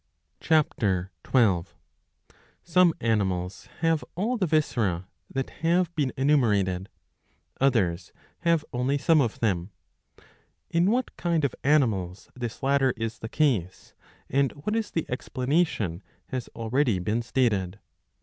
(Ch. \2.) Some animals have all the viscera that have been enumerated ; others have only some of them. In what kind 'of animals this latter is the case, and what is the explanation, has already been stated.